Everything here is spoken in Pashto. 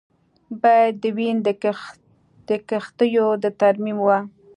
بله د وین د کښتیو د ترمیم وه